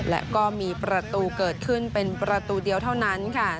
และก็มีประตูเกิดขึ้นเป็นประตูเดียวเท่านั้นค่ะ